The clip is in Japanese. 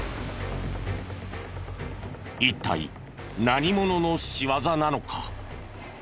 一体何者の仕業なのか？